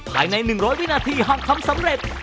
ภายใน๑๐๐วินาทีห้องทำสำเร็จ